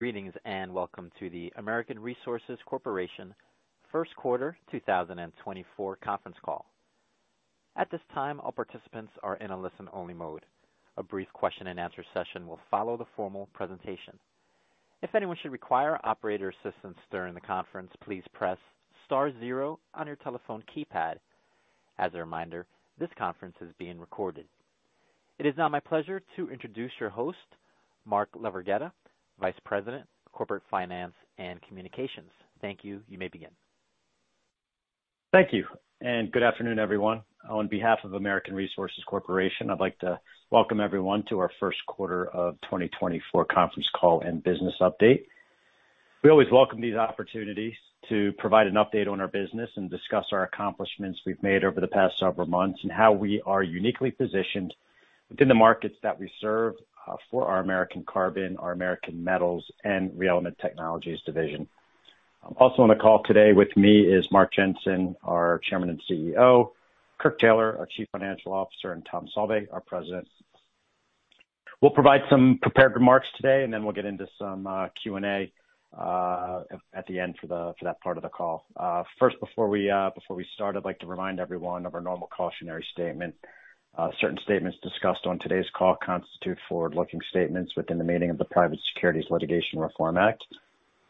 Greetings, and welcome to the American Resources Corporation first quarter 2024 conference call. At this time, all participants are in a listen-only mode. A brief question and answer session will follow the formal presentation. If anyone should require operator assistance during the conference, please press star zero on your telephone keypad. As a reminder, this conference is being recorded. It is now my pleasure to introduce your host, Mark LaVerghetta, Vice President, Corporate Finance and Communications. Thank you. You may begin. Thank you, and good afternoon, everyone. On behalf of American Resources Corporation, I'd like to welcome everyone to our first quarter of 2024 conference call and business update. We always welcome these opportunities to provide an update on our business and discuss our accomplishments we've made over the past several months, and how we are uniquely positioned within the markets that we serve, for our American Carbon, our American Metals, and ReElement Technologies division. Also, on the call today with me is Mark Jensen, our Chairman and CEO, Kirk Taylor, our Chief Financial Officer, and Tom Sauvé, our President. We'll provide some prepared remarks today, and then we'll get into some Q&A at the end for that part of the call. First, before we start, I'd like to remind everyone of our normal cautionary statement. Certain statements discussed on today's call constitute forward-looking statements within the meaning of the Private Securities Litigation Reform Act.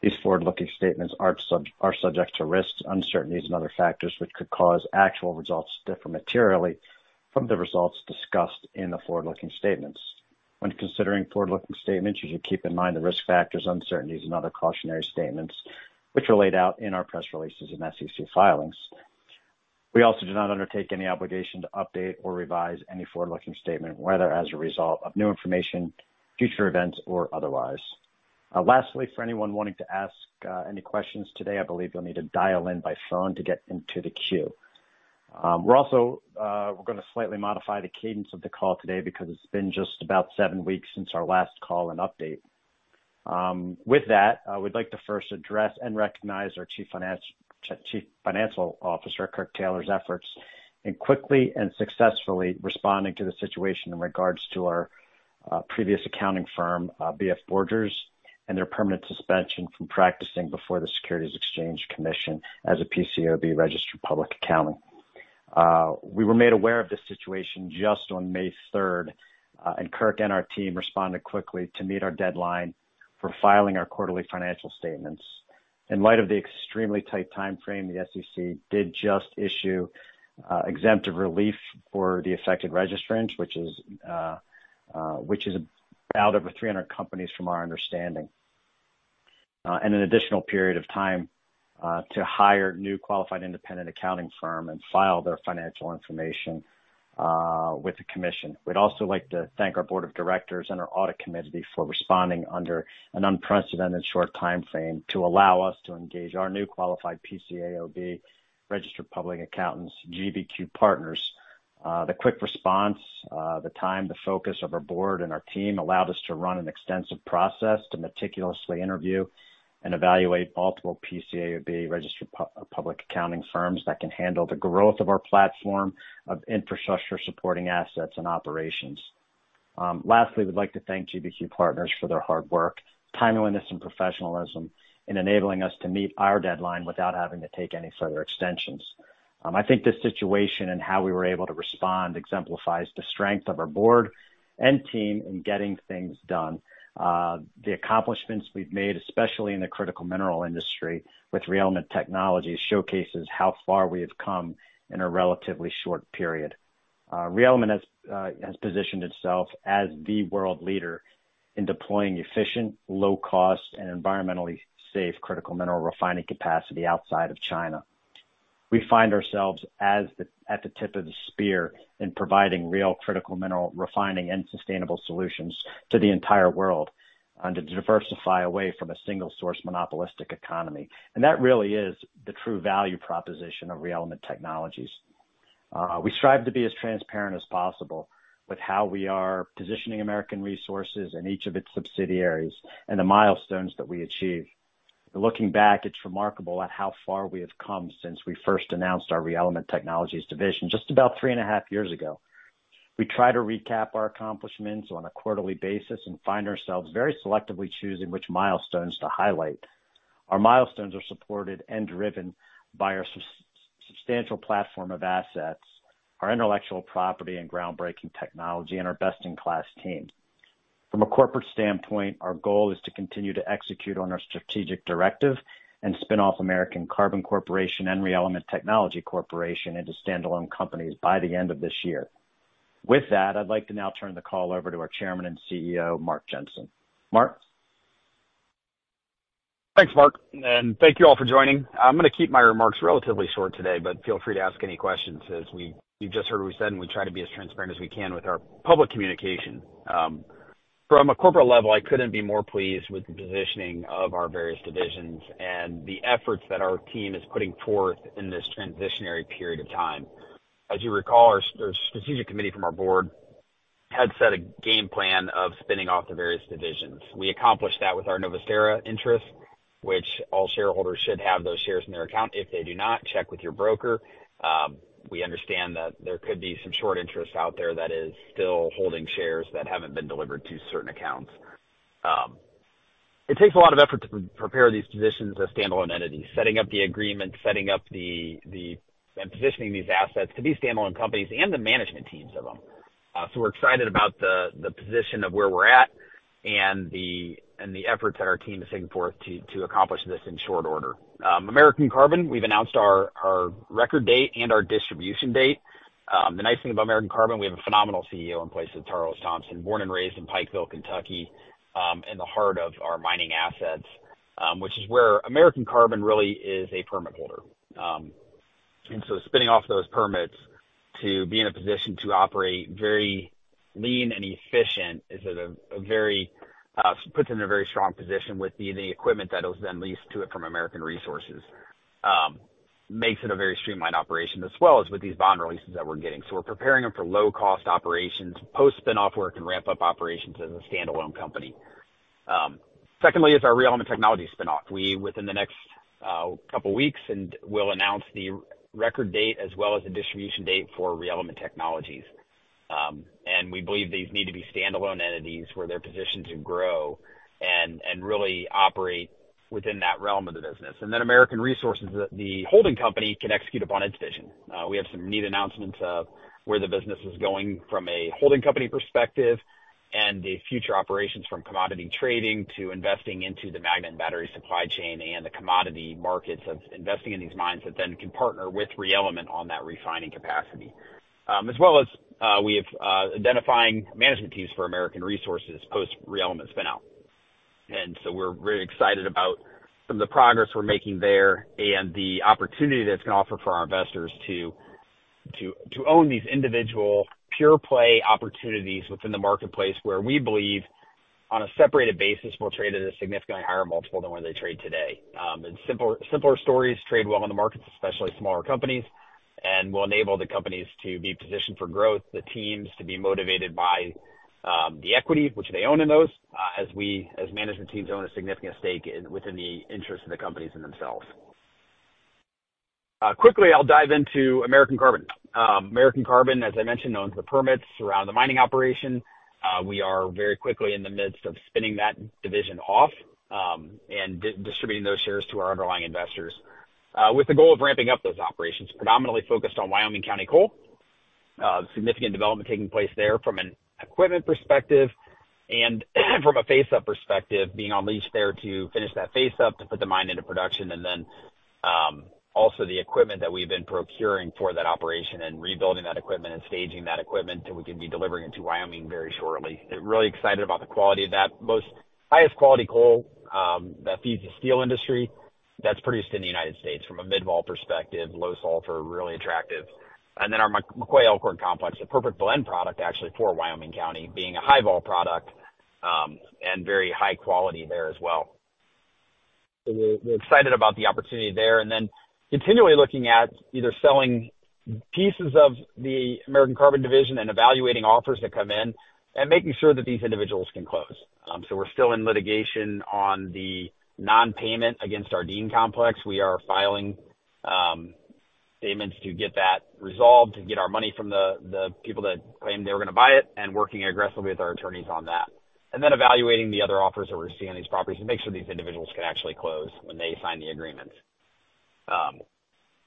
These forward-looking statements are subject to risks, uncertainties and other factors, which could cause actual results to differ materially from the results discussed in the forward-looking statements. When considering forward-looking statements, you should keep in mind the risk factors, uncertainties and other cautionary statements which are laid out in our press releases and SEC filings. We also do not undertake any obligation to update or revise any forward-looking statement, whether as a result of new information, future events, or otherwise. Lastly, for anyone wanting to ask any questions today, I believe you'll need to dial in by phone to get into the queue. We're also, we're gonna slightly modify the cadence of the call today, because it's been just about seven weeks since our last call and update. With that, I would like to first address and recognize our Chief Financial Officer, Kirk Taylor's efforts, in quickly and successfully responding to the situation in regards to our previous accounting firm, BF Borgers, and their permanent suspension from practicing before the Securities Exchange Commission as a PCAOB-registered public accountant. We were made aware of this situation just on May third, and Kirk and our team responded quickly to meet our deadline for filing our quarterly financial statements. In light of the extremely tight timeframe, the SEC did just issue, exemptive relief for the affected registrants, which is, which is about over 300 companies from our understanding, and an additional period of time, to hire new qualified independent accounting firm and file their financial information, with the commission. We'd also like to thank our board of directors and our audit committee for responding under an unprecedented short timeframe to allow us to engage our new qualified PCAOB-registered public accountants, GBQ Partners. The quick response, the time, the focus of our board and our team allowed us to run an extensive process to meticulously interview and evaluate multiple PCAOB-registered public accounting firms that can handle the growth of our platform of infrastructure, supporting assets and operations. Lastly, we'd like to thank GBQ Partners for their hard work, timeliness and professionalism in enabling us to meet our deadline without having to take any further extensions. I think this situation and how we were able to respond exemplifies the strength of our board and team in getting things done. The accomplishments we've made, especially in the critical mineral industry with ReElement Technologies, showcases how far we have come in a relatively short period. ReElement has positioned itself as the world leader in deploying efficient, low cost, and environmentally safe critical mineral refining capacity outside of China. We find ourselves as the—at the tip of the spear in providing real critical mineral refining and sustainable solutions to the entire world, and to diversify away from a single source, monopolistic economy. And that really is the true value proposition of ReElement Technologies. We strive to be as transparent as possible with how we are positioning American Resources and each of its subsidiaries, and the milestones that we achieve. Looking back, it's remarkable at how far we have come since we first announced our ReElement Technologies division just about three and a half years ago. We try to recap our accomplishments on a quarterly basis and find ourselves very selectively choosing which milestones to highlight. Our milestones are supported and driven by our substantial platform of assets, our intellectual property and groundbreaking technology, and our best-in-class team. From a corporate standpoint, our goal is to continue to execute on our strategic directive and spin off American Carbon Corporation and ReElement Technologies Corporation into standalone companies by the end of this year. With that, I'd like to now turn the call over to our Chairman and CEO, Mark Jensen. Mark? Thanks, Mark, and thank you all for joining. I'm gonna keep my remarks relatively short today, feel free to ask any questions, as you just heard what we said, and we try to be as transparent as we can with our public communication. From a corporate level, I couldn't be more pleased with the positioning of our various divisions and the efforts that our team is putting forth in this transitionary period of time. As you recall, our strategic committee from our board had set a game plan of spinning off the various divisions. We accomplished that with our Novusterra interest. Which all shareholders should have those shares in their account. If they do not, check with your broker. We understand that there could be some short interest out there that is still holding shares that haven't been delivered to certain accounts. It takes a lot of effort to prepare these positions as standalone entities, setting up the agreements, setting up and positioning these assets to be standalone companies and the management teams of them. So we're excited about the position of where we're at and the efforts that our team is setting forth to accomplish this in short order. American Carbon, we've announced our record date and our distribution date. The nice thing about American Carbon, we have a phenomenal CEO in place with Charles Thompson, born and raised in Pikeville, Kentucky, in the heart of our mining assets, which is where American Carbon really is a permit holder. And so spinning off those permits to be in a position to operate very lean and efficient puts them in a very strong position with the equipment that is then leased to it from American Resources. Makes it a very streamlined operation, as well as with these bond releases that we're getting. So we're preparing them for low-cost operations, post-spin-off work, and ramp-up operations as a standalone company. Secondly, is our ReElement Technologies spin-off. We, within the next couple weeks, and we'll announce the record date as well as the distribution date for ReElement Technologies. We believe these need to be standalone entities where they're positioned to grow and really operate within that realm of the business. And then American Resources, the holding company, can execute upon its vision. We have some neat announcements of where the business is going from a holding company perspective and the future operations from commodity trading to investing into the magnet and battery supply chain and the commodity markets of investing in these mines that then can partner with ReElement on that refining capacity. As well as we have identifying management teams for American Resources post-ReElement spin-out. And so we're very excited about some of the progress we're making there and the opportunity that's gonna offer for our investors to own these individual pure play opportunities within the marketplace, where we believe, on a separated basis, will trade at a significantly higher multiple than where they trade today. And simpler stories trade well in the markets, especially smaller companies, and will enable the companies to be positioned for growth, the teams to be motivated by the equity which they own in those, as we, as management teams, own a significant stake in, within the interests of the companies and themselves. Quickly, I'll dive into American Carbon. American Carbon, as I mentioned, owns the permits around the mining operation. We are very quickly in the midst of spinning that division off, and distributing those shares to our underlying investors, with the goal of ramping up those operations, predominantly focused on Wyoming County Coal. Significant development taking place there from an equipment perspective and from a face-up perspective, being on lease there to finish that face up, to put the mine into production. And then, also the equipment that we've been procuring for that operation and rebuilding that equipment and staging that equipment, that we can be delivering it to Wyoming very shortly. Really excited about the quality of that. Most highest quality coal, that feeds the steel industry that's produced in the United States from a mid-vol perspective, low sulfur, really attractive. And then our McCoy Elkhorn Complex, the perfect blend product actually for Wyoming County, being a high-vol product, and very high quality there as well. So we're excited about the opportunity there, and then continually looking at either selling pieces of the American Carbon Division and evaluating offers that come in and making sure that these individuals can close. So we're still in litigation on the non-payment against our Dean Complex. We are filing statements to get that resolved, to get our money from the people that claimed they were gonna buy it, and working aggressively with our attorneys on that. And then evaluating the other offers that we're seeing on these properties to make sure these individuals can actually close when they sign the agreements.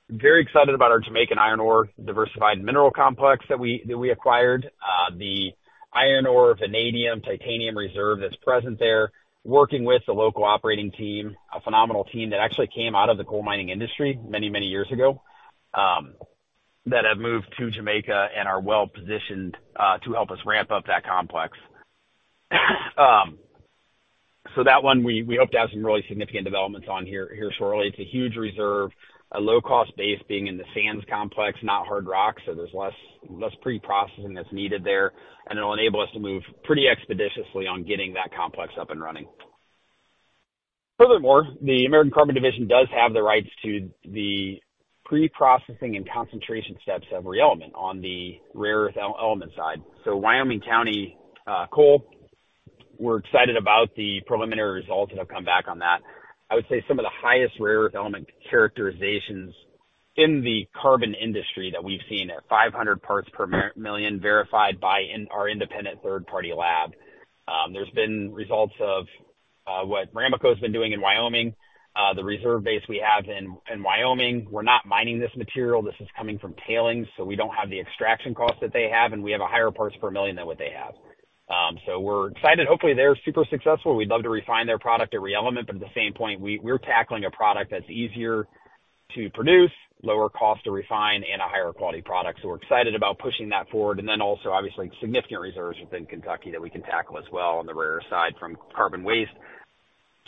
Very excited about our Jamaican iron ore diversified mineral complex that we acquired. The iron ore, vanadium, titanium reserve that's present there, working with the local operating team, a phenomenal team that actually came out of the coal mining industry many, many years ago, that have moved to Jamaica and are well positioned to help us ramp up that complex. So that one, we hope to have some really significant developments on here shortly. It's a huge reserve, a low-cost base being in the sands complex, not hard rock, so there's less pre-processing that's needed there, and it'll enable us to move pretty expeditiously on getting that complex up and running. Furthermore, the American Carbon Division does have the rights to the pre-processing and concentration steps of ReElement on the rare earth element side. So Wyoming County Coal, we're excited about the preliminary results that have come back on that. I would say some of the highest rare earth element characterizations in the carbon industry that we've seen at 500 parts per million, verified by our independent third-party lab. There's been results of what Ramaco's been doing in Wyoming, the reserve base we have in Wyoming. We're not mining this material. This is coming from tailings, so we don't have the extraction costs that they have, and we have a higher parts per million than what they have. So we're excited. Hopefully, they're super successful. We'd love to refine their product at ReElement, but at the same point, we're tackling a product that's easier to produce, lower cost to refine, and a higher quality product. So we're excited about pushing that forward. And then also, obviously, significant reserves within Kentucky that we can tackle as well on the rare earth side from carbon waste.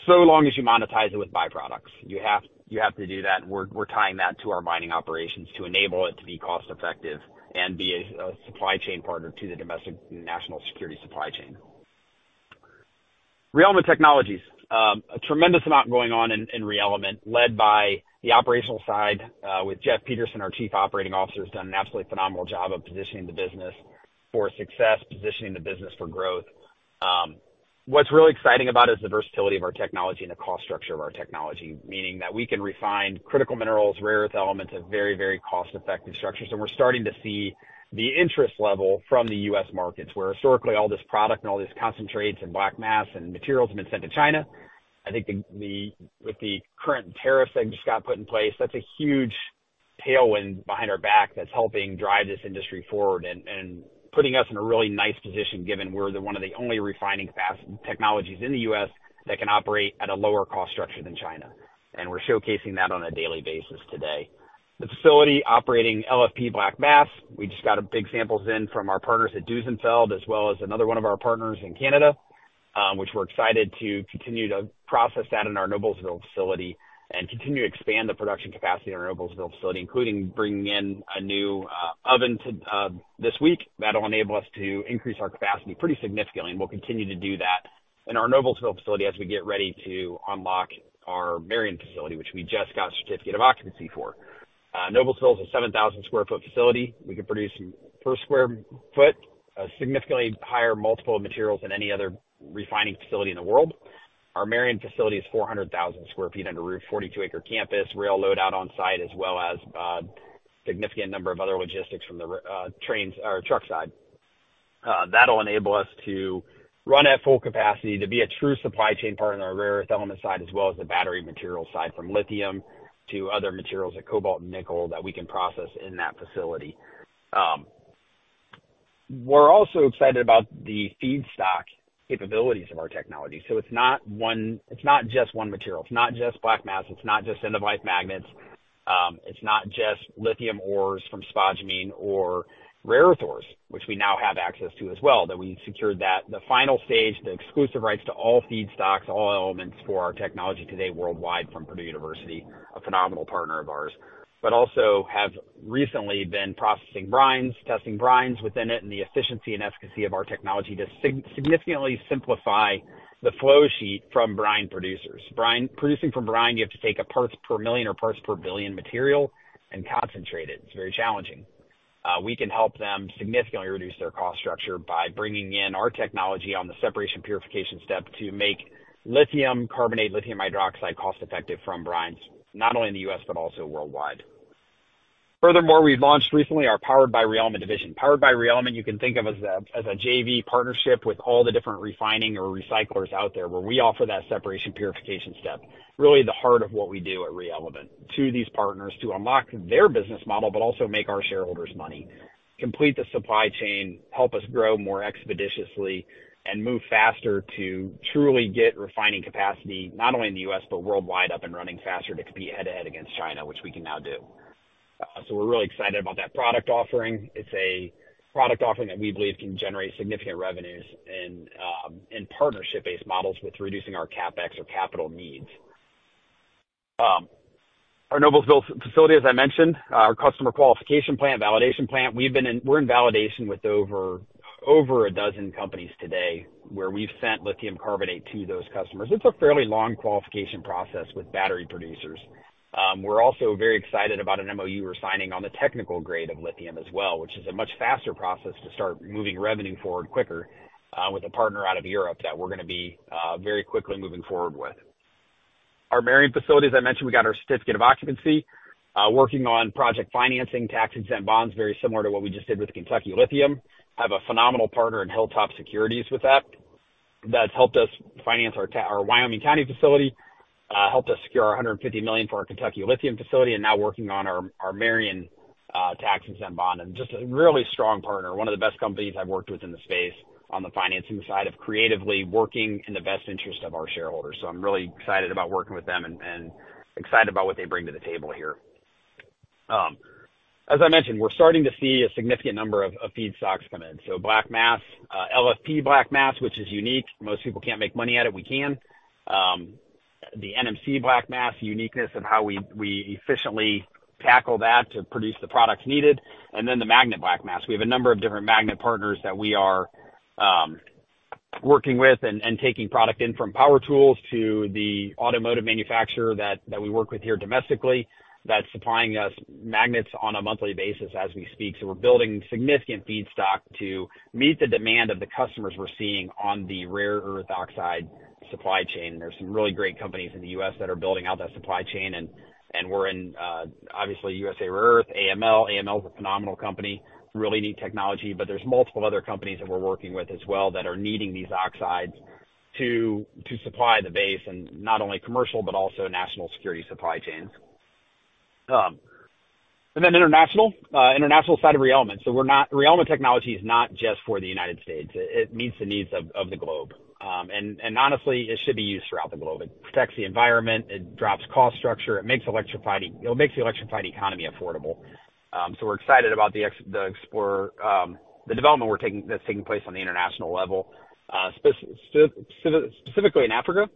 So long as you monetize it with byproducts, you have, you have to do that. We're, we're tying that to our mining operations to enable it to be cost effective and be a supply chain partner to the domestic national security supply chain. ReElement Technologies. A tremendous amount going on in ReElement, led by the operational side, with Jeff Peterson, our Chief Operating Officer, has done an absolutely phenomenal job of positioning the business for success, positioning the business for growth. What's really exciting about it is the versatility of our technology and the cost structure of our technology, meaning that we can refine critical minerals, rare earth elements at very, very cost-effective structures, and we're starting to see the interest level from the U.S. markets, where historically, all this product and all these concentrates and black mass and materials have been sent to China. I think with the current tariffs that just got put in place, that's a huge tailwind behind our back that's helping drive this industry forward and putting us in a really nice position, given we're the one of the only refining technologies in the U.S. that can operate at a lower cost structure than China, and we're showcasing that on a daily basis today. The facility operating LFP black mass, we just got big samples in from our partners at Duesenfeld, as well as another one of our partners in Canada, which we're excited to continue to process that in our Noblesville facility and continue to expand the production capacity in our Noblesville facility, including bringing in a new oven to this week. That'll enable us to increase our capacity pretty significantly, and we'll continue to do that in our Noblesville facility as we get ready to unlock our Marion facility, which we just got certificate of occupancy for. Noblesville is a 7,000 sq ft facility. We can produce per sq ft, a significantly higher multiple of materials than any other refining facility in the world. Our Marion facility is 400,000 sq ft under roof, 42-acre campus, rail load out on site, as well as, significant number of other logistics from the rail, trains or truck side. That'll enable us to run at full capacity to be a true supply chain partner in our rare earth element side, as well as the battery material side, from lithium to other materials like cobalt and nickel, that we can process in that facility. We're also excited about the feedstock capabilities of our technology. So it's not one—it's not just one material. It's not just black mass, it's not just end-of-life magnets, it's not just lithium ores from spodumene or rare earth ores, which we now have access to as well, that we've secured that. The final stage, the exclusive rights to all feedstocks, all elements for our technology today worldwide from Purdue University, a phenomenal partner of ours. But also have recently been processing brines, testing brines within it and the efficiency and efficacy of our technology to significantly simplify the flow sheet from brine producers. Producing from brine, you have to take a parts per million or parts per billion material and concentrate it. It's very challenging. We can help them significantly reduce their cost structure by bringing in our technology on the separation purification step to make Lithium Carbonate, Lithium Hydroxide cost effective from brines, not only in the U.S., but also worldwide. Furthermore, we've launched recently our Powered by ReElement division. Powered by ReElement, you can think of as a, as a JV partnership with all the different refining or recyclers out there, where we offer that separation purification step, really the heart of what we do at ReElement, to these partners to unlock their business model, but also make our shareholders' money, complete the supply chain, help us grow more expeditiously and move faster to truly get refining capacity, not only in the U.S., but worldwide, up and running faster to compete head-to-head against China, which we can now do. So we're really excited about that product offering. It's a product offering that we believe can generate significant revenues in, in partnership-based models with reducing our CapEx or capital needs. Our Noblesville facility, as I mentioned, our customer qualification plant, validation plant, we're in validation with over a dozen companies today, where we've sent lithium carbonate to those customers. It's a fairly long qualification process with battery producers. We're also very excited about an MOU we're signing on the technical grade of lithium as well, which is a much faster process to start moving revenue forward quicker, with a partner out of Europe that we're gonna be very quickly moving forward with. Our Marion facility, as I mentioned, we got our certificate of occupancy, working on project financing, tax-exempt bonds, very similar to what we just did with Kentucky Lithium. Have a phenomenal partner in Hilltop Securities with that. That's helped us finance our our Wyoming County facility, helped us secure our $150 million for our Kentucky Lithium facility, and now working on our, our Marion, tax-exempt bond, and just a really strong partner, one of the best companies I've worked with in the space on the financing side of creatively working in the best interest of our shareholders. So I'm really excited about working with them and, and excited about what they bring to the table here. As I mentioned, we're starting to see a significant number of feedstocks come in. So black mass, LFP black mass, which is unique. Most people can't make money at it, we can. The NMC black mass, uniqueness of how we, we efficiently tackle that to produce the products needed, and then the magnet black mass. We have a number of different magnet partners that we are working with and taking product in, from power tools to the automotive manufacturer that we work with here domestically, that's supplying us magnets on a monthly basis as we speak. So we're building significant feedstock to meet the demand of the customers we're seeing on the rare earth oxide supply chain. There's some really great companies in the U.S. that are building out that supply chain, and we're in obviously USA Rare Earth, AML. AML is a phenomenal company, really neat technology, but there's multiple other companies that we're working with as well that are needing these oxides to supply the base and not only commercial, but also national security supply chains. And then international. International side of ReElement. ReElement technology is not just for the United States. It meets the needs of the globe. And honestly, it should be used throughout the globe. It protects the environment, it drops cost structure, it makes electrifying—it makes the electrified economy affordable. So we're excited about the development that's taking place on the international level, specifically in Africa,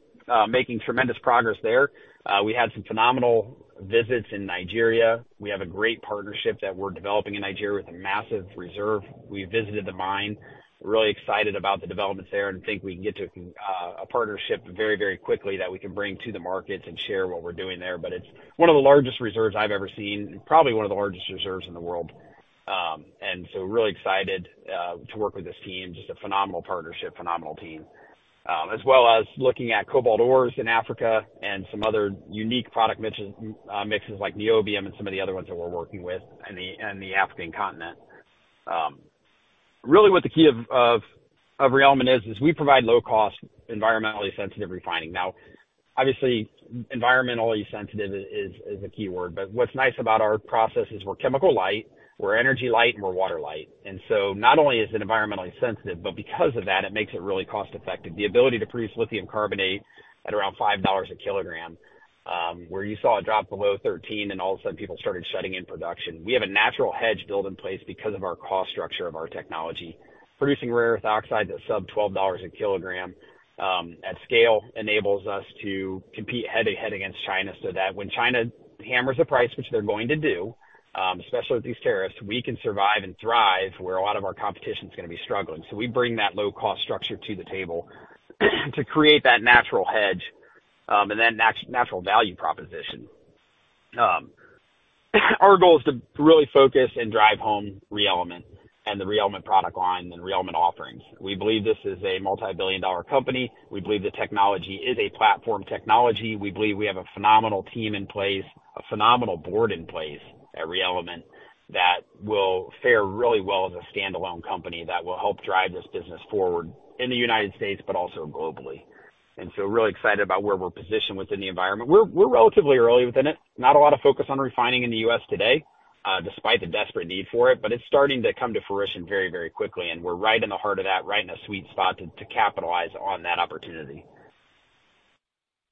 making tremendous progress there. We had some phenomenal visits in Nigeria. We have a great partnership that we're developing in Nigeria with a massive reserve. We visited the mine. Really excited about the developments there and think we can get to a partnership very, very quickly that we can bring to the markets and share what we're doing there. But it's one of the largest reserves I've ever seen, probably one of the largest reserves in the world. And so we're really excited to work with this team. Just a phenomenal partnership, phenomenal team, as well as looking at cobalt ores in Africa and some other unique product mixes like niobium and some of the other ones that we're working with in the African continent. Really, what the key of ReElement is we provide low-cost, environmentally sensitive refining. Now, obviously, environmentally sensitive is a key word, but what's nice about our process is we're chemical light, we're energy light, and we're water light. And so not only is it environmentally sensitive, but because of that, it makes it really cost effective. The ability to produce lithium carbonate at around $5 a kilogram, where you saw it drop below $13, and all of a sudden people started shutting in production. We have a natural hedge built in place because of our cost structure of our technology. Producing rare earth oxide that's sub $12 a kilogram at scale enables us to compete head to head against China, so that when China hammers the price, which they're going to do, especially with these tariffs, we can survive and thrive where a lot of our competition is gonna be struggling. So we bring that low cost structure to the table, to create that natural hedge, and then natural value proposition. Our goal is to really focus and drive home ReElement and the ReElement product line and ReElement offerings. We believe this is a multibillion-dollar company. We believe the technology is a platform technology. We believe we have a phenomenal team in place, a phenomenal board in place at ReElement that will fare really well as a standalone company that will help drive this business forward in the United States, but also globally. And so we're really excited about where we're positioned within the environment. We're relatively early within it. Not a lot of focus on refining in the U.S. today, despite the desperate need for it, but it's starting to come to fruition very, very quickly, and we're right in the heart of that, right in a sweet spot to capitalize on that opportunity.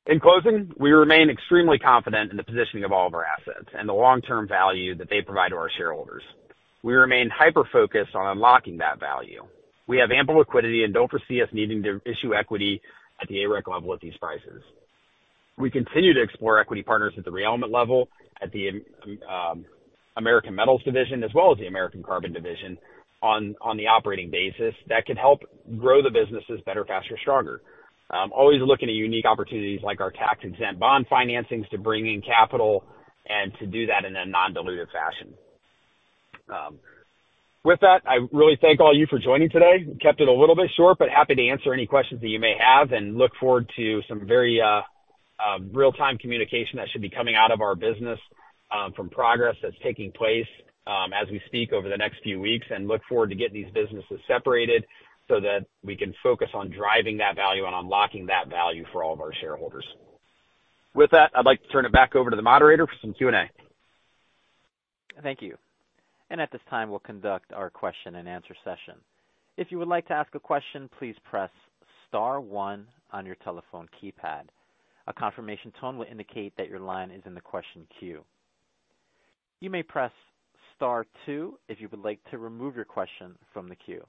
In closing, we remain extremely confident in the positioning of all of our assets and the long-term value that they provide to our shareholders. We remain hyper-focused on unlocking that value. We have ample liquidity and don't foresee us needing to issue equity at the AREC level at these prices. We continue to explore equity partners at the ReElement level, at the American Metals division, as well as the American Carbon division on the operating basis that can help grow the businesses better, faster, stronger. Always looking at unique opportunities like our tax-exempt bond financings to bring in capital and to do that in a non-dilutive fashion. With that, I really thank all you for joining today. Kept it a little bit short, but happy to answer any questions that you may have, and look forward to some very real-time communication that should be coming out of our business from progress that's taking place as we speak over the next few weeks. And look forward to getting these businesses separated so that we can focus on driving that value and unlocking that value for all of our shareholders. With that, I'd like to turn it back over to the moderator for some Q&A. Thank you. At this time, we'll conduct our question-and-answer session. If you would like to ask a question, please press star one on your telephone keypad. A confirmation tone will indicate that your line is in the question queue. You may press star two if you would like to remove your question from the queue.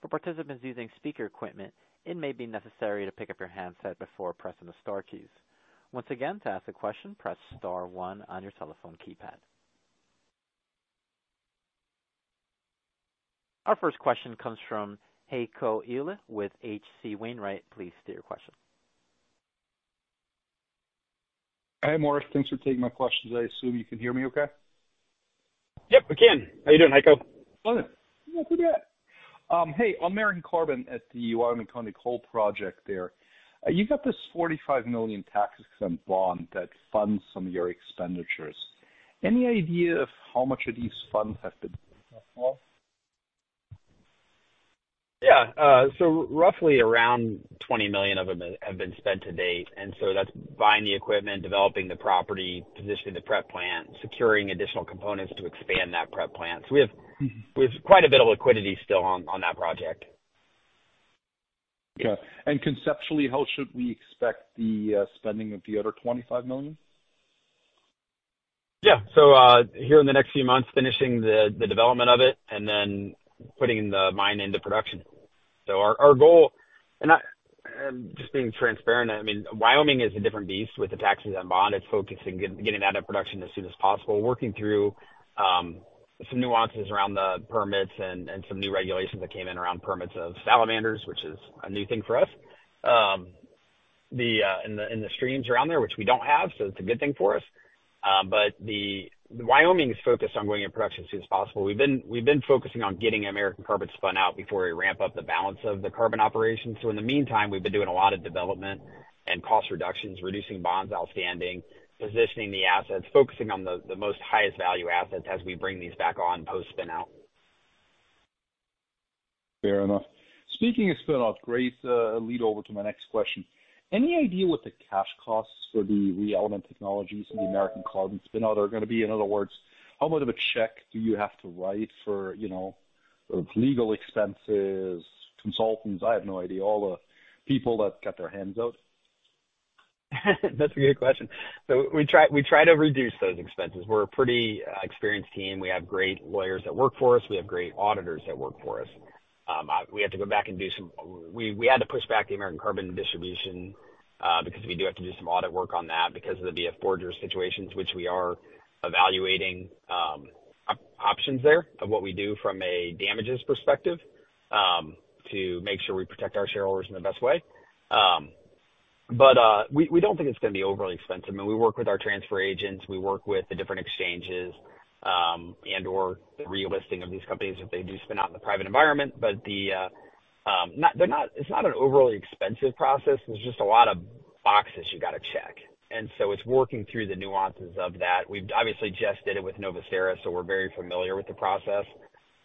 For participants using speaker equipment, it may be necessary to pick up your handset before pressing the star keys. Once again, to ask a question, press star one on your telephone keypad. Our first question comes from Heiko Ihle with H.C. Wainwright. Please state your question. Hi, Mark. Thanks for taking my questions. I assume you can hear me okay? Yep, I can. How are you doing, Heiko? Fine. Not too bad. Hey, on American Carbon at the Wyoming County Coal Project there, you got this $45 million tax-exempt bond that funds some of your expenditures. Any idea of how much of these funds have been spent so far? Yeah, so roughly around $20 million of them have been spent to date, and so that's buying the equipment, developing the property, positioning the prep plant, securing additional components to expand that prep plant. So we have- Mm-hmm. We have quite a bit of liquidity still on, on that project. Yeah. And conceptually, how should we expect the spending of the other $25 million? Yeah. So, here in the next few months, finishing the development of it and then putting the mine into production. So our goal, and I just being transparent, I mean, Wyoming is a different beast with the tax-exempt bond. It's focusing, getting that into production as soon as possible, working through some nuances around the permits and some new regulations that came in around permits of salamanders, which is a new thing for us. In the streams around there, which we don't have, so it's a good thing for us. But the Wyoming is focused on going in production as soon as possible. We've been focusing on getting American Carbon spun out before we ramp up the balance of the carbon operations. So in the meantime, we've been doing a lot of development and cost reductions, reducing bonds outstanding, positioning the assets, focusing on the most highest value assets as we bring these back on post-spin out. Fair enough. Speaking of spin out, great, lead over to my next question. Any idea what the cash costs for the ReElement Technologies and the American Carbon spin out are going to be? In other words, how much of a check do you have to write for, you know, legal expenses, consultants? I have no idea. All the people that got their hands out. That's a good question. So we try to reduce those expenses. We're a pretty experienced team. We have great lawyers that work for us. We have great auditors that work for us. We had to push back the American Carbon distribution because we do have to do some audit work on that because of the BF Borgers situations, which we are evaluating, options there of what we do from a damages perspective, to make sure we protect our shareholders in the best way. But we don't think it's gonna be overly expensive. I mean, we work with our transfer agents, we work with the different exchanges, and/or the relisting of these companies, if they do spin out in the private environment. But they're not, it's not an overly expensive process. There's just a lot of boxes you gotta check, and so it's working through the nuances of that. We've obviously just did it with Novusterra, so we're very familiar with the process.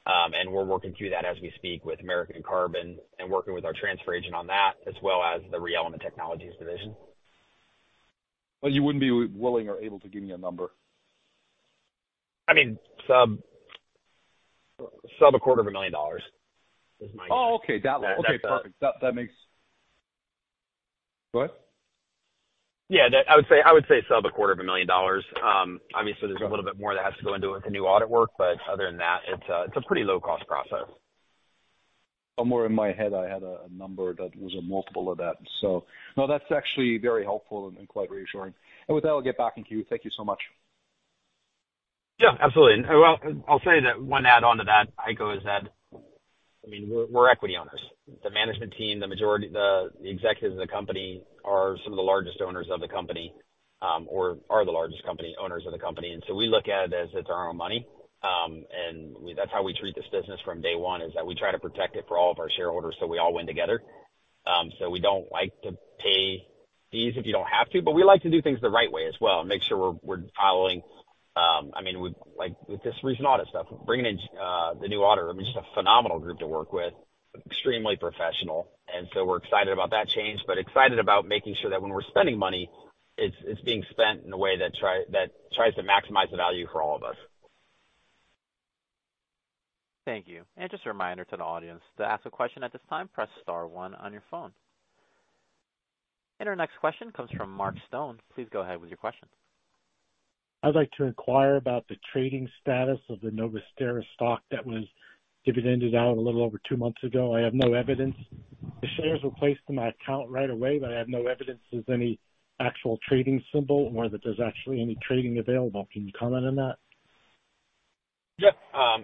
And we're working through that as we speak with American Carbon and working with our transfer agent on that, as well as the ReElement Technologies division. But you wouldn't be willing or able to give me a number? I mean, $250,000 is my- Oh, okay. That low. That's, uh- Okay, perfect. That, t hat makes go ahead? Yeah, that I would say sub-$250,000. Obviously, there's a little bit more that has to go into it with the new audit work, but other than that, it's a pretty low-cost process. Somewhere in my head, I had a number that was a multiple of that. So no, that's actually very helpful and quite reassuring. And with that, I'll get back in queue. Thank you so much. Yeah, absolutely. Well, I'll say that one add on to that, Heiko, is that, I mean, we're equity owners. The management team, the majority, the executives of the company are some of the largest owners of the company, or are the largest owners of the company. And so we look at it as it's our own money. And we—that's how we treat this business from day one, is that we try to protect it for all of our shareholders, so we all win together. So we don't like to pay fees if you don't have to, but we like to do things the right way as well and make sure we're following. I mean, with this recent audit stuff, bringing in the new auditor, I mean, just a phenomenal group to work with, extremely professional, and so we're excited about that change, but excited about making sure that when we're spending money, it's being spent in a way that tries to maximize the value for all of us. Thank you. Just a reminder to the audience, to ask a question at this time, press star one on your phone. Our next question comes from Mark Stone. Please go ahead with your question. I'd like to inquire about the trading status of the Novusterra stock that was dividended out a little over two months ago. I have no evidence. The shares were placed in my account right away, but I have no evidence there's any actual trading symbol or that there's actually any trading available. Can you comment on that? Yeah,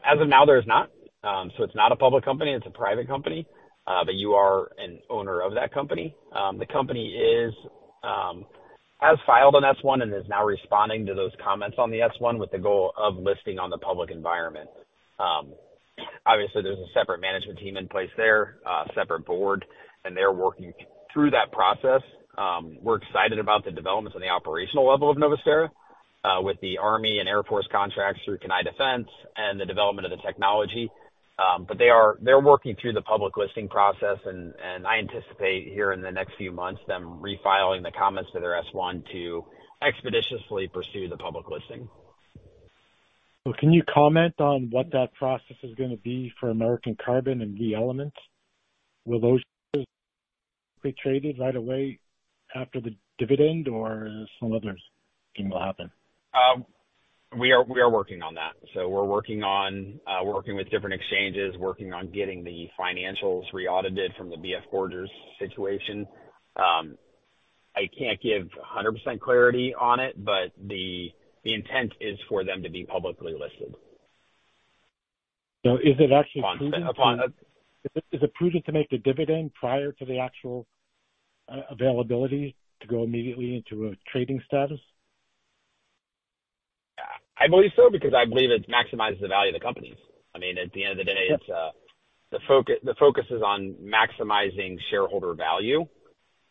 as of now, there's not. So it's not a public company, it's a private company, but you are an owner of that company. The company has filed an S-1 and is now responding to those comments on the S-1 with the goal of listing on the public environment. Obviously, there's a separate management team in place there, a separate board, and they're working through that process. We're excited about the developments on the operational level of Novusterra, with the Army and Air Force contracts through Kenai Defense and the development of the technology. But they are, they're working through the public listing process and, and I anticipate here in the next few months, them refiling the comments to their S-1 to expeditiously pursue the public listing. Well, can you comment on what that process is gonna be for American Carbon and ReElement? Will those be traded right away after the dividend or some other thing will happen? We are working on that. So we're working on working with different exchanges, working on getting the financials re-audited from the BF Borgers situation. I can't give 100% clarity on it, but the intent is for them to be publicly listed. Is it actually- On- Is it, is it prudent to make the dividend prior to the actual availability to go immediately into a trading status? I believe so, because I believe it maximizes the value of the companies. I mean, at the end of the day- Yeah It's the focus, the focus is on maximizing shareholder value,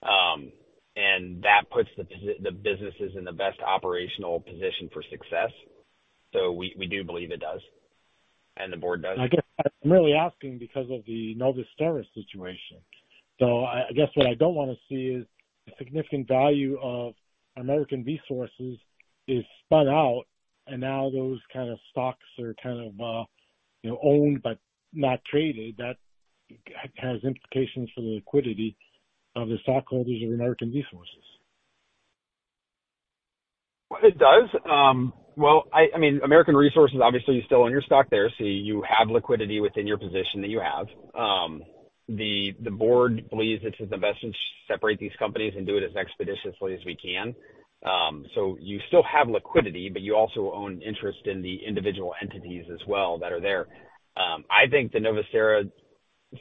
and that puts the businesses in the best operational position for success. So we do believe it does, and the board does. I guess I'm really asking because of the Novusterra situation. So I guess what I don't want to see is the significant value of American Resources is spun out, and now those kind of stocks are kind of, you know, owned but not traded. That has implications for the liquidity of the stockholders of American Resources. Well, it does. Well, I mean, American Resources, obviously, you still own your stock there, so you have liquidity within your position that you have. The board believes it's in the best interest to separate these companies and do it as expeditiously as we can. So you still have liquidity, but you also own interest in the individual entities as well that are there. I think the Novusterra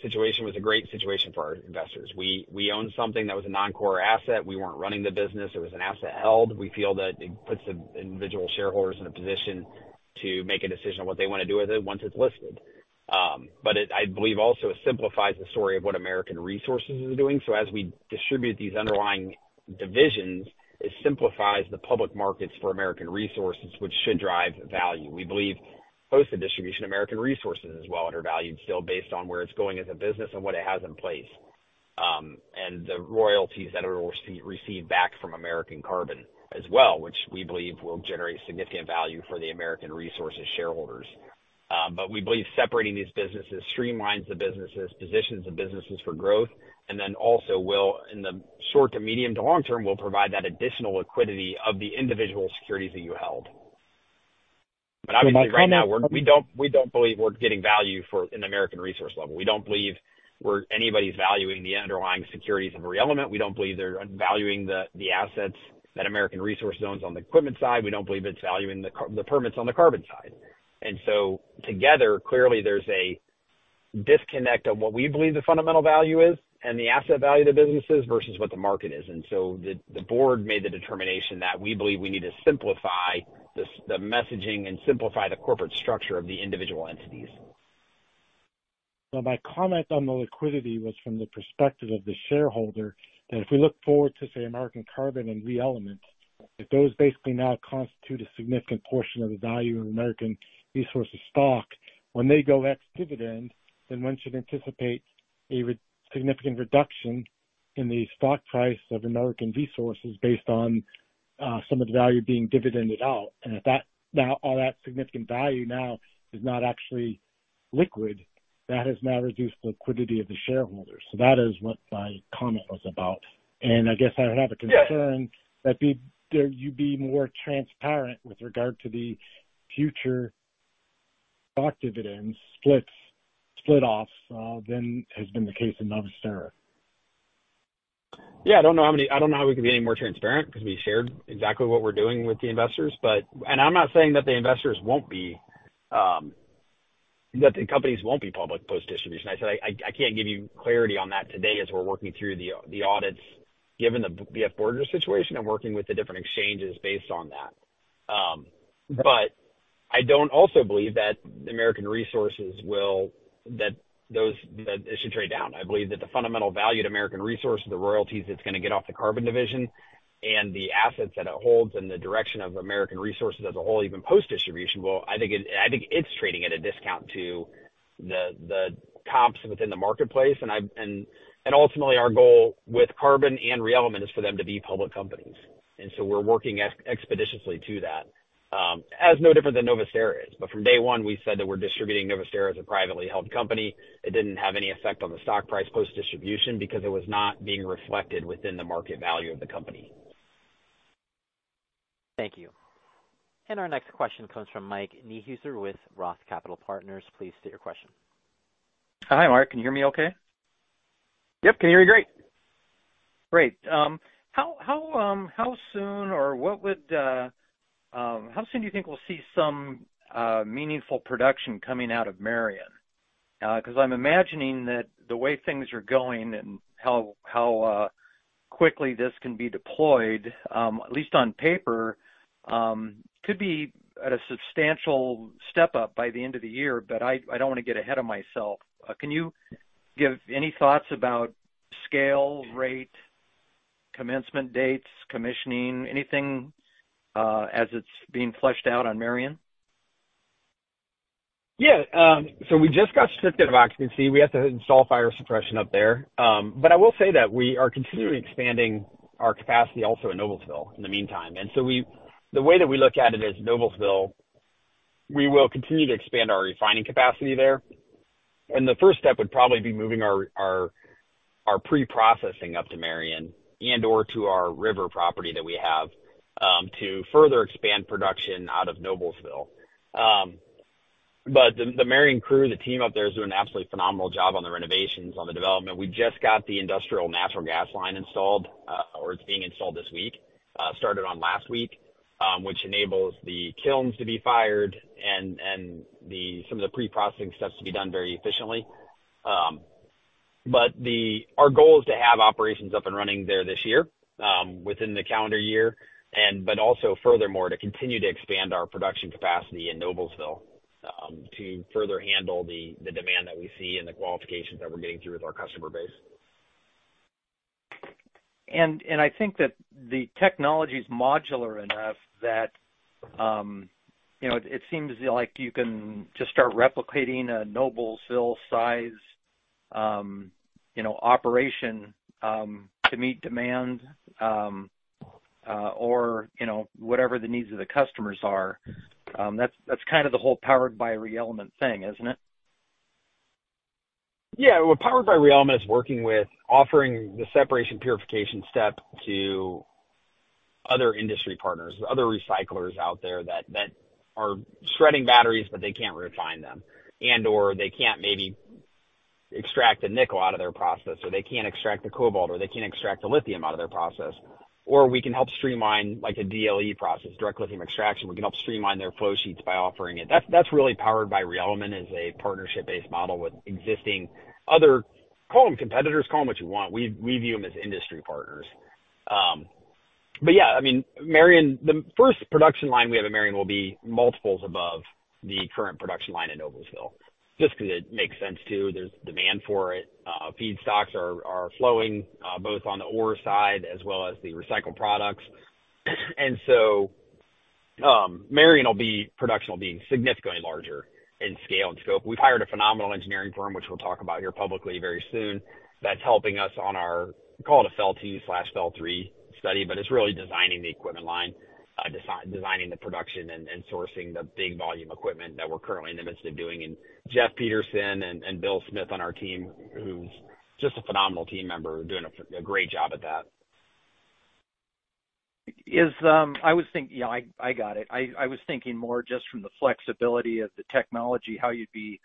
situation was a great situation for our investors. We owned something that was a non-core asset. We weren't running the business. It was an asset held. We feel that it puts the individual shareholders in a position to make a decision on what they want to do with it once it's listed. But it, I believe also it simplifies the story of what American Resources is doing. So as we distribute these underlying divisions, it simplifies the public markets for American Resources, which should drive value. We believe most of the distribution, American Resources as well, are valued still based on where it's going as a business and what it has in place, and the royalties that it will receive, receive back from American Carbon as well, which we believe will generate significant value for the American Resources shareholders. But we believe separating these businesses streamlines the businesses, positions the businesses for growth, and then also will, in the short to medium to long term, will provide that additional liquidity of the individual securities that you held. But obviously, right now, we're, we don't, we don't believe we're getting value for in the American Resources level. We don't believe we're anybody's valuing the underlying securities of ReElement. We don't believe they're valuing the assets that American Resources owns on the equipment side. We don't believe it's valuing the carbon permits on the carbon side. And so together, clearly there's a disconnect of what we believe the fundamental value is and the asset value of the businesses versus what the market is. And so the board made the determination that we believe we need to simplify the messaging and simplify the corporate structure of the individual entities. So my comment on the liquidity was from the perspective of the shareholder, that if we look forward to, say, American Carbon and ReElement, that those basically now constitute a significant portion of the value of American Resources stock. When they go ex-dividend, then one should anticipate a significant reduction in the stock price of American Resources based on, some of the value being dividended out. And if that, now, all that significant value now is not actually liquid, that has now reduced liquidity of the shareholders. So that is what my comment was about. And I guess I would have a concern- Yeah. that you be more transparent with regard to the future stock dividend splits, split offs, than has been the case in Novusterra. Yeah, I don't know how we can be any more transparent because we shared exactly what we're doing with the investors. But- And I'm not saying that the investors won't be, that the companies won't be public post-distribution. I said I can't give you clarity on that today as we're working through the audits, given the auditor situation and working with the different exchanges based on that. But I don't also believe that American Resources will, that those, that it should trade down. I believe that the fundamental value to American Resources, the royalties it's gonna get off the carbon division and the assets that it holds and the direction of American Resources as a whole, even post-distribution, will, I think it, I think it's trading at a discount to the comps within the marketplace. Ultimately, our goal with carbon and ReElement is for them to be public companies, and so we're working expeditiously to that, as no different than Novusterra is. But from day one, we said that we're distributing Novusterra as a privately held company. It didn't have any effect on the stock price post-distribution because it was not being reflected within the market value of the company. Thank you. And our next question comes from Mike Niehuser with Roth Capital Partners. Please state your question. Hi, Mark. Can you hear me okay? Yep, can hear you great. Great. How soon do you think we'll see some meaningful production coming out of Marion? Because I'm imagining that the way things are going and how quickly this can be deployed, at least on paper, could be at a substantial step up by the end of the year, but I don't want to get ahead of myself. Can you give any thoughts about scale, rate, commencement dates, commissioning, anything, as it's being fleshed out on Marion? Yeah, so we just got certificate of occupancy. We have to install fire suppression up there. But I will say that we are continually expanding our capacity also in Noblesville in the meantime. And so the way that we look at it is, Noblesville, we will continue to expand our refining capacity there, and the first step would probably be moving our preprocessing up to Marion and/or to our river property that we have, to further expand production out of Noblesville. But the Marion crew, the team up there, is doing an absolutely phenomenal job on the renovations, on the development. We just got the industrial natural gas line installed, or it's being installed this week, started on last week, which enables the kilns to be fired and some of the preprocessing steps to be done very efficiently. But our goal is to have operations up and running there this year, within the calendar year, and but also furthermore, to continue to expand our production capacity in Noblesville, to further handle the demand that we see and the qualifications that we're getting through with our customer base. I think that the technology's modular enough that, you know, it seems like you can just start replicating a Noblesville-size, you know, operation, to meet demand, or, you know, whatever the needs of the customers are. That's, that's kind of the whole Powered by ReElement thing, isn't it? Yeah, well, Powered by ReElement is working with offering the separation purification step to other industry partners, other recyclers out there that are shredding batteries, but they can't refine them, and/or they can't maybe extract the nickel out of their process, or they can't extract the cobalt, or they can't extract the lithium out of their process. Or we can help streamline, like a DLE process, direct lithium extraction. We can help streamline their flow sheets by offering it. That's really Powered by ReElement as a partnership-based model with existing other, call them competitors, call them what you want. We view them as industry partners. But yeah, I mean, Marion, the first production line we have at Marion will be multiples above the current production line at Noblesville, just because it makes sense to. There's demand for it. Feedstocks are flowing both on the ore side as well as the recycled products. Marion production will be significantly larger in scale and scope. We've hired a phenomenal engineering firm, which we'll talk about here publicly very soon. That's helping us on our, call it a FEL-3 study, but it's really designing the equipment line, designing the production and sourcing the big volume equipment that we're currently in the midst of doing. Jeff Peterson and Bill Smith on our team, who's just a phenomenal team member, are doing a great job at that. Yeah, I got it. I was thinking more just from the flexibility of the technology, how you'd be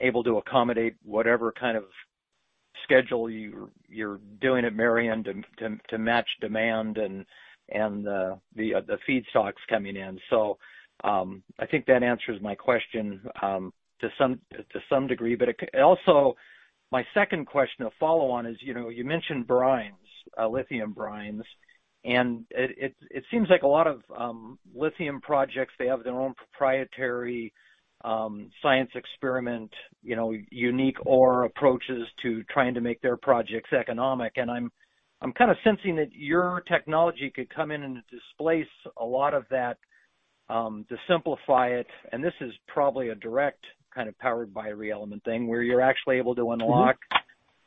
able to accommodate whatever kind of schedule you're doing at Marion to match demand and the feedstocks coming in. So, I think that answers my question to some degree. But also, my second question to follow on is, you know, you mentioned brines, lithium brines, and it seems like a lot of lithium projects, they have their own proprietary science experiment, you know, unique ore approaches to trying to make their projects economic. I'm kind of sensing that your technology could come in and displace a lot of that, to simplify it, and this is probably a direct kind of Powered by ReElement thing, where you're actually able to unlock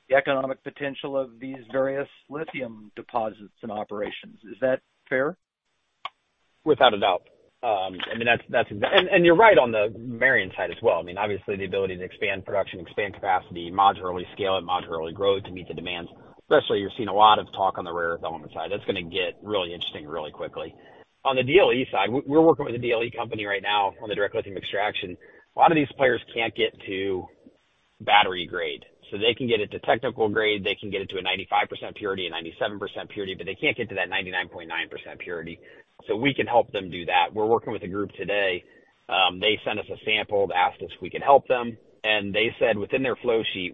the economic potential of these various lithium deposits and operations. Is that fair? Without a doubt. I mean, that's- And you're right on the Marion side as well. I mean, obviously, the ability to expand production, expand capacity, modularly scale it, modularly grow it to meet the demands, especially you're seeing a lot of talk on the rare earth side. That's gonna get really interesting really quickly. On the DLE side, we're working with a DLE company right now on the direct lithium extraction. A lot of these players can't get to battery grade. So they can get it to technical grade, they can get it to a 95% purity, a 97% purity, but they can't get to that 99.9% purity. So we can help them do that. We're working with a group today. They sent us a sample, they asked us if we can help them, and they said within their flow sheet,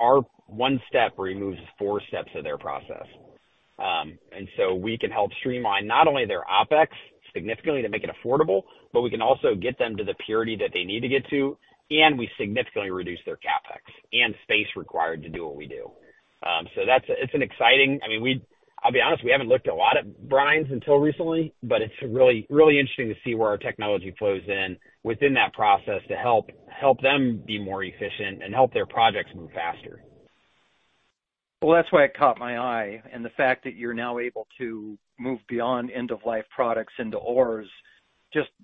our one step removes four steps of their process. And so we can help streamline not only their OpEx significantly to make it affordable, but we can also get them to the purity that they need to get to, and we significantly reduce their CapEx and space required to do what we do. So that's an exciting. I mean, I'll be honest, we haven't looked at a lot of brines until recently, but it's really, really interesting to see where our technology flows in within that process to help them be more efficient and help their projects move faster. Well, that's why it caught my eye, and the fact that you're now able to move beyond end-of-life products into ores,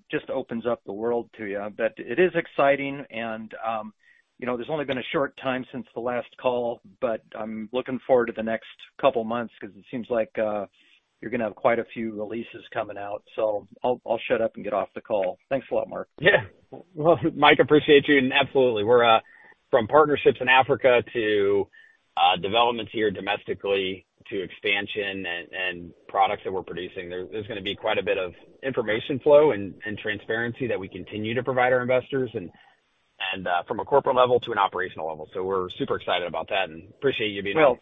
just opens up the world to you. But it is exciting and, you know, there's only been a short time since the last call, but I'm looking forward to the next couple months because it seems like you're gonna have quite a few releases coming out. So I'll shut up and get off the call. Thanks a lot, Mark. Yeah. Well, Mike, appreciate you, and absolutely. We're from partnerships in Africa to developments here domestically, to expansion and products that we're producing. There, there's gonna be quite a bit of information flow and transparency that we continue to provide our investors and from a corporate level to an operational level. So we're super excited about that and appreciate you being here.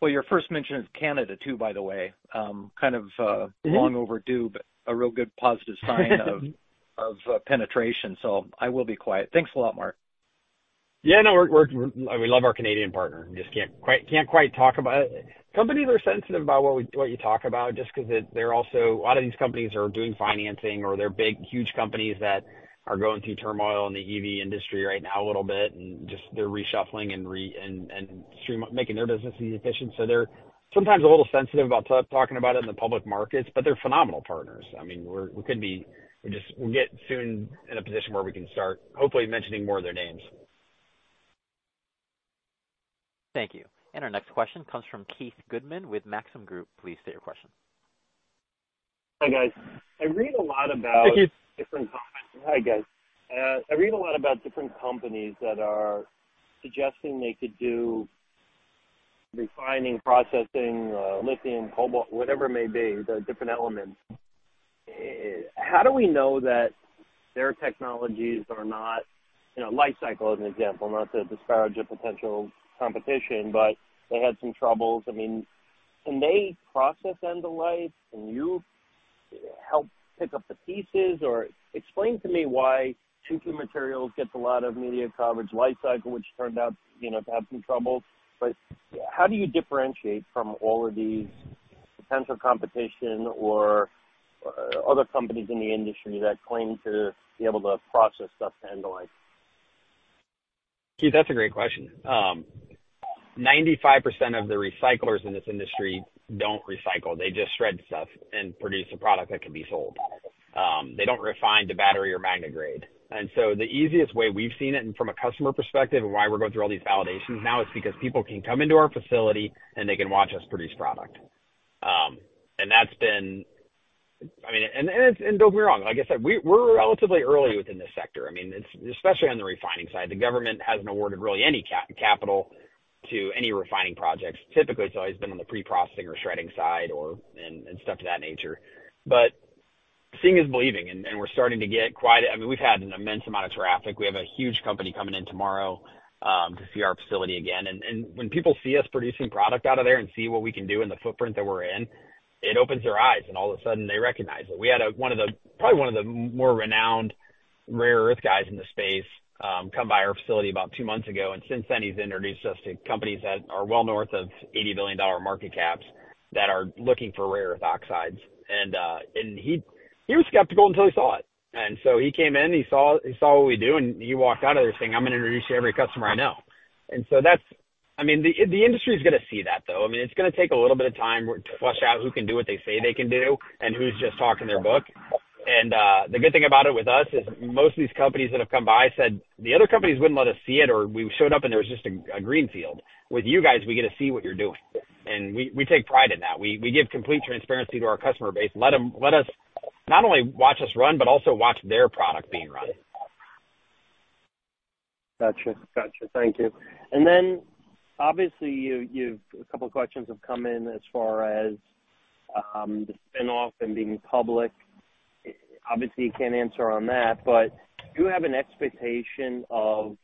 Well, well, your first mention is Canada, too, by the way. Kind of, Mm-hmm. long overdue, but a real good positive sign of penetration, so I will be quiet. Thanks a lot, Mark. Yeah, no, we love our Canadian partner. Just can't quite talk about it. Companies are sensitive about what you talk about, just 'cause it, they're also a lot of these companies are doing financing or they're big, huge companies that are going through turmoil in the EV industry right now a little bit, and just they're reshuffling and re- and streamlining making their business be efficient. So they're sometimes a little sensitive about talking about it in the public markets, but they're phenomenal partners. I mean, we couldn't be we just, we'll get soon in a position where we can start hopefully mentioning more of their names. Thank you. Our next question comes from Keith Goodman with Maxim Group. Please state your question. Hi, guys. I read a lot about- Hi, Keith. Hi, guys. I read a lot about different companies that are suggesting they could do refining, processing, lithium, cobalt, whatever it may be, the different elements. How do we know that their technologies are not, you know, Li-Cycle as an example, not to disparage a potential competition, but they had some troubles. I mean, can they process end-of-life? Can you help pick up the pieces? Or explain to me why MP Materials gets a lot of media coverage, Li-Cycle, which turned out, you know, to have some troubles. But how do you differentiate from all of these potential competition or other companies in the industry that claim to be able to process stuff to end of life? Keith, that's a great question. 95% of the recyclers in this industry don't recycle. They just shred stuff and produce a product that can be sold. They don't refine the battery or magnet grade. And so the easiest way we've seen it and from a customer perspective, and why we're going through all these validations now, is because people can come into our facility and they can watch us produce product. And that's been, I mean, and don't get me wrong, like I said, we're relatively early within this sector. I mean, it's especially on the refining side, the government hasn't awarded really any capital to any refining projects. Typically, it's always been on the pre-processing or shredding side or, and stuff to that nature. But seeing is believing, and we're starting to get quite a, I mean, we've had an immense amount of traffic. We have a huge company coming in tomorrow to see our facility again. When people see us producing product out of there and see what we can do in the footprint that we're in, it opens their eyes, and all of a sudden they recognize it. We had one of the more renowned rare earth guys in the space come by our facility about two months ago, and since then, he's introduced us to companies that are well north of $80 billion market caps that are looking for rare earth oxides. He was skeptical until he saw it. And so he came in, he saw, he saw what we do, and he walked out of this thing, "I'm going to introduce you to every customer I know." And so that's I mean, the industry's gonna see that, though. I mean, it's gonna take a little bit of time to flush out who can do what they say they can do and who's just talking their book. And, the good thing about it with us is most of these companies that have come by said, "The other companies wouldn't let us see it," or, "We showed up and there was just a green field. With you guys, we get to see what you're doing." and we take pride in that. We give complete transparency to our customer base and let them not only watch us run, but also watch their product being run. Gotcha. Gotcha. Thank you. And then, obviously, a couple of questions have come in as far as the spin-off and being public. Obviously, you can't answer on that, but do you have an expectation of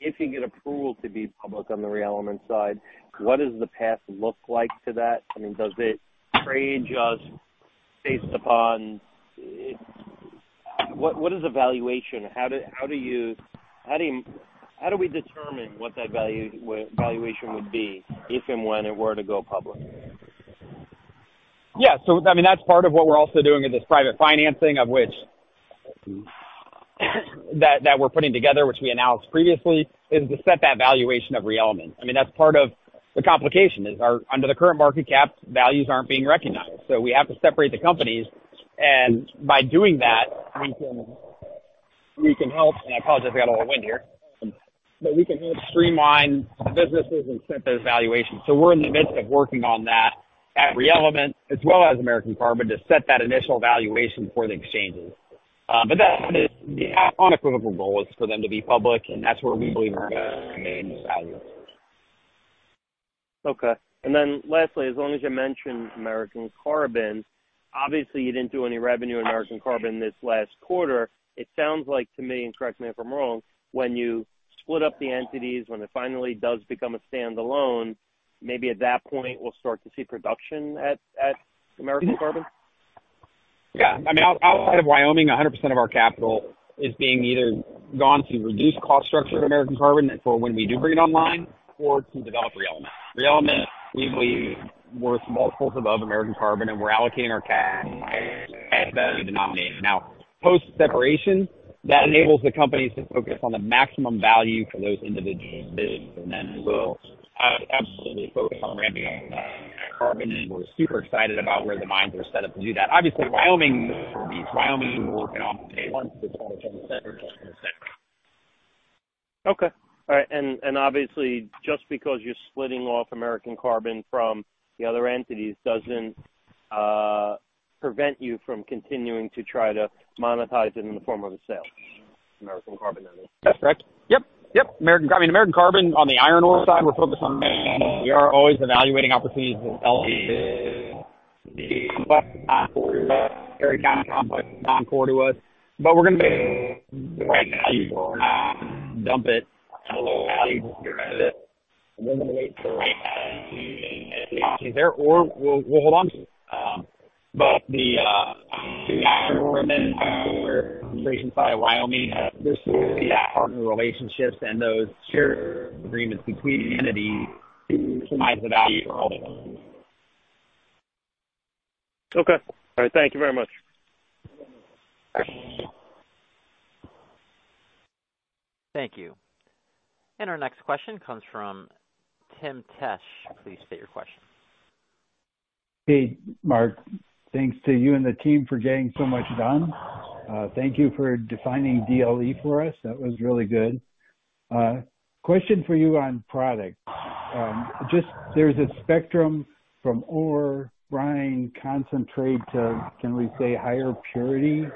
if you get approval to be public on the ReElement side, what does the path look like to that? I mean, does it trade just based upon—What is valuation? How do you determine what that value, valuation would be, if and when it were to go public? Yeah, so I mean, that's part of what we're also doing in this private financing, of which that we're putting together, which we announced previously, is to set that valuation of ReElement. I mean, that's part of the complication, is our under the current market cap, values aren't being recognized, so we have to separate the companies, and by doing that, we can help and I apologize, I got a little wind here. But we can help streamline the businesses and set those valuations. So we're in the midst of working on that at ReElement, as well as American Carbon, to set that initial valuation for the exchanges. But that is the unequivocal goal, is for them to be public, and that's where we believe main value. Okay. And then lastly, as long as you mentioned American Carbon, obviously you didn't do any revenue in American Carbon this last quarter. It sounds like to me, and correct me if I'm wrong, when you split up the entities, when it finally does become a standalone, maybe at that point, we'll start to see production at American Carbon? Yeah. I mean, outside of Wyoming, 100% of our capital is being either gone to reduce cost structure of American Carbon for when we do bring it online or to develop ReElement. ReElement, we believe, worth multiples above American Carbon, and we're allocating our cash value denominator. Now, post-separation, that enables the companies to focus on the maximum value for those individual businesses, and then we'll absolutely focus on ramping up Carbon. And we're super excited about where the mines are set up to do that. Obviously, Wyoming working off the table. Okay. All right. And obviously, just because you're splitting off American Carbon from the other entities, doesn't prevent you from continuing to try to monetize it in the form of a sale, American Carbon, I mean. That's correct. Yep, yep. American Carbon, I mean, American Carbon, on the iron ore side, we're focused on. We are always evaluating opportunities within complex, non-core to us. But we're gonna make the right value for, dump it at a low value, get rid of it. We're gonna wait for the right time and if the opportunity is there, or we'll hold on to it. But the Wyoming has relationships, and those share agreements between entities to maximize the value for all of them. Okay. All right. Thank you very much. Thank you. Thank you. Our next question comes from Tim Tesh. Please state your question. Hey, Mark. Thanks to you and the team for getting so much done. Thank you for defining DLE for us. That was really good. Question for you on product. Just there's a spectrum from ore, brine, concentrate to, can we say, higher purity?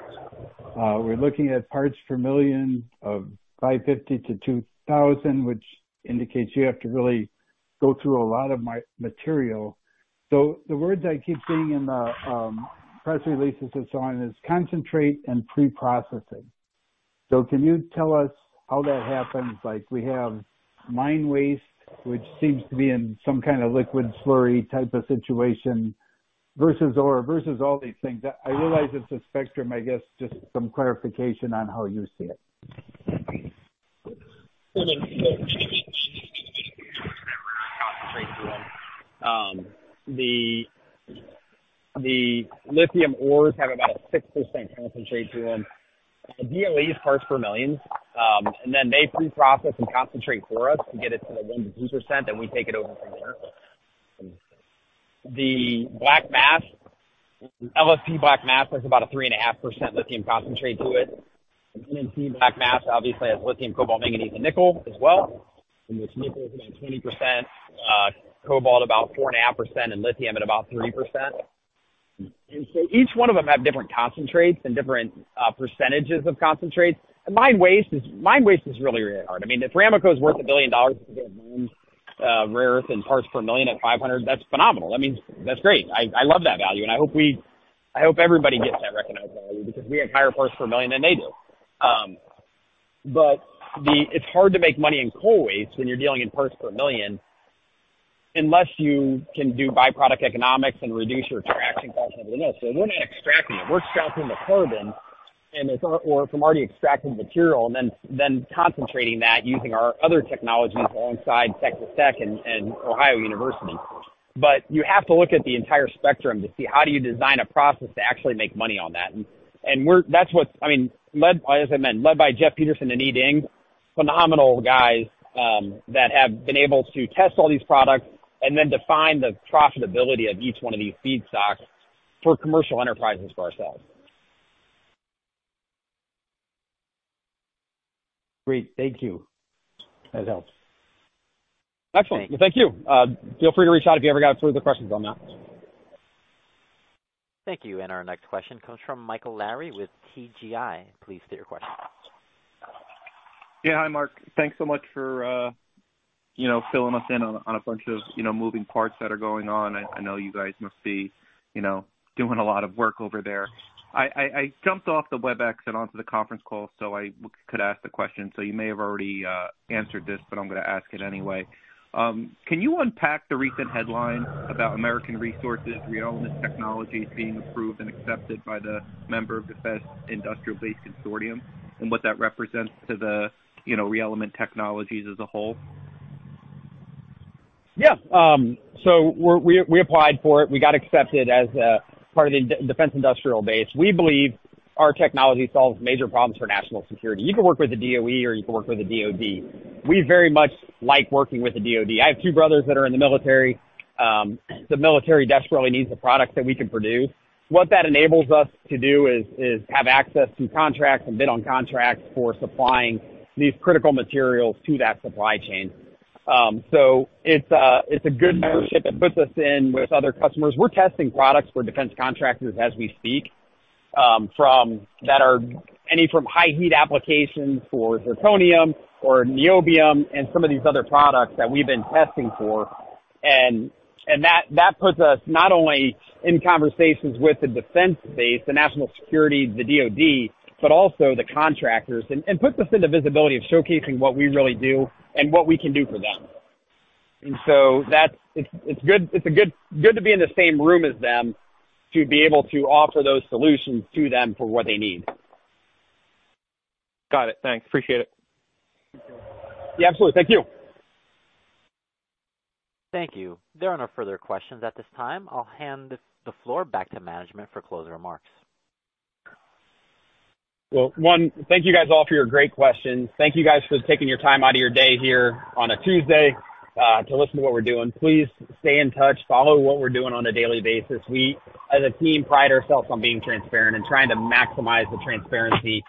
We're looking at parts per million of 550-2,000, which indicates you have to really go through a lot of material. So the words I keep seeing in the press releases and so on is concentrate and pre-processing. So can you tell us how that happens? Like, we have mine waste, which seems to be in some kind of liquid slurry type of situation, versus ore, versus all these things. I realize it's a spectrum, I guess, just some clarification on how you see it. The lithium ores have about a 6% concentrate to them. The DLE is parts per million, and then they pre-process and concentrate for us to get it to the 1%-2%, then we take it over from there. The black mass, LFP black mass, has about a 3.5% lithium concentrate to it. NMC black mass obviously has lithium, cobalt, manganese, and nickel as well, in which nickel is about 20%, cobalt about 4.5%, and lithium at about 3%. And so each one of them have different concentrates and different percentages of concentrates. Mine waste is really, really hard. I mean, if Ramaco is worth $1 billion, rare earth and parts per million at 500, that's phenomenal. I mean, that's great. I love that value, and I hope everybody gets that recognized value because we have higher parts per million than they do. But it's hard to make money in coal waste when you're dealing in parts per million, unless you can do byproduct economics and reduce your extraction cost everything else. So we're not extracting it. We're stripping the carbon or from already extracted material, and then concentrating that using our other technologies alongside Texas Tech and Ohio University. But you have to look at the entire spectrum to see how do you design a process to actually make money on that. That's what, I mean, led, as I meant, led by Jeff Peterson and Ed Ding, phenomenal guys, that have been able to test all these products and then define the profitability of each one of these feedstocks for commercial enterprises for ourselves. Great. Thank you. That helps. Excellent. Thank you. Feel free to reach out if you ever got further questions on that. Thank you. Our next question comes from Michael Larry with TGI. Please state your question. Yeah. Hi, Mark. Thanks so much for, you know, filling us in on, on a bunch of, you know, moving parts that are going on. I jumped off the WebEx and onto the conference call so I could ask the question, so you may have already answered this, but I'm gonna ask it anyway. Can you unpack the recent headlines about American Resources, ReElement Technologies being approved and accepted by the member of Defense Industrial Base Consortium, and what that represents to the, you know, ReElement Technologies as a whole? Yeah. So we applied for it. We got accepted as a part of the Defense Industrial Base. We believe our technology solves major problems for national security. You can work with the DOE or you can work with the DOD. We very much like working with the DOD. I have two brothers that are in the military. The military desperately needs the products that we can produce. What that enables us to do is have access to contracts and bid on contracts for supplying these critical materials to that supply chain. So it's a good membership that puts us in with other customers. We're testing products for defense contractors as we speak, from that are any from high heat applications for zirconium or niobium and some of these other products that we've been testing for. And that puts us not only in conversations with the defense base, the national security, the DOD, but also the contractors, and puts us into visibility of showcasing what we really do and what we can do for them. And so that's It's good, it's good to be in the same room as them, to be able to offer those solutions to them for what they need. Got it. Thanks. Appreciate it. Yeah, absolutely. Thank you. Thank you. There are no further questions at this time. I'll hand the floor back to management for closing remarks. Well, one, thank you guys all for your great questions. Thank you guys for taking your time out of your day here on a Tuesday to listen to what we're doing. Please stay in touch. Follow what we're doing on a daily basis. We, as a team, pride ourselves on being transparent and trying to maximize the transparency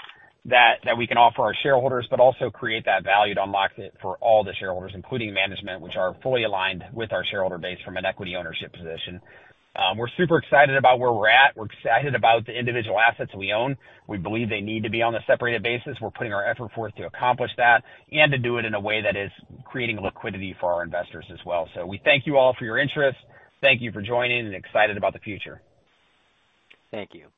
that we can offer our shareholders, but also create that value to unlock it for all the shareholders, including management, which are fully aligned with our shareholder base from an equity ownership position. We're super excited about where we're at. We're excited about the individual assets we own. We believe they need to be on a separated basis. We're putting our effort forth to accomplish that and to do it in a way that is creating liquidity for our investors as well. We thank you all for your interest. Thank you for joining, and excited about the future. Thank you.